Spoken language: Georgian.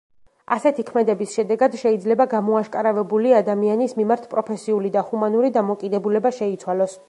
ასეთი ქმედების შედეგად შეიძლება გამოაშკარავებული ადამიანის მიმართ პროფესიული და ჰუმანური დამოკიდებულება შეიცვალოს.